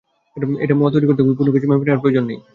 এই মোয়া তৈরি করতে কোনো কিছুই মেপে নেওয়ার প্রয়োজন নেই।